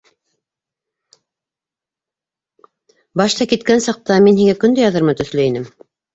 Башта, киткән саҡта, мин һиңә көн дә яҙырмын төҫлө инем.